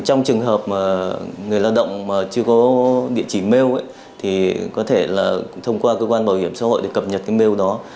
trong trường hợp mà người lao động mà chưa có địa chỉ mail thì có thể là thông qua cơ quan bảo hiểm xã hội để cập nhật cái mail đó